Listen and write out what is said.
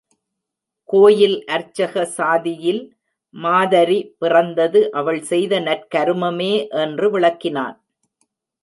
கோயில் அர்ச்சக சாதியில் மாதரி பிறந்தது அவள் செய்த நற்கருமமே என்று விளக்கினான்.